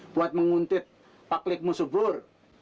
buat menguntit pak lekmu subur